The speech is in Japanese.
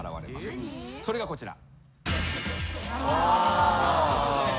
それがこちら。